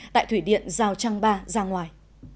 tại thủy điện giao trang ba ra ngoài